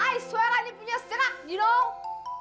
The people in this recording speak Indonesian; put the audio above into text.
ayah suara ini punya serak you know